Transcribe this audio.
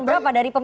dari tahun berapa